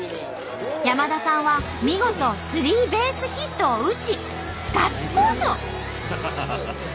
山田さんは見事スリーベースヒットを打ちガッツポーズを！